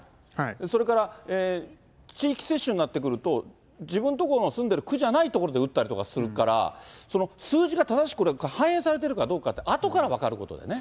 それから地域接種になってくると、自分とこの住んでる区じゃない所の区で打ったりとかするから、その数字が正しくこれ、反映されてるかどうかってあとから分かることだよね。